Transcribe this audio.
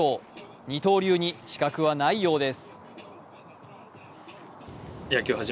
二刀流に死角はないようです。